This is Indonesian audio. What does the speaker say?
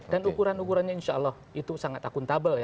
dan ukuran ukurannya insya allah itu sangat akuntabel ya